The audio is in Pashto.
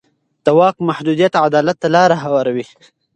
د واک محدودیت عدالت ته لاره هواروي